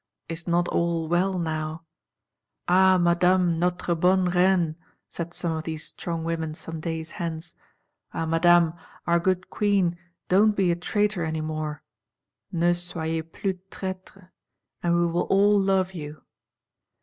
Is not all well now? 'Ah, Madame, notre bonne Reine,' said some of these Strong women some days hence, 'Ah Madame, our good Queen, don't be a traitor any more (ne soyez plus traître), and we will all love you!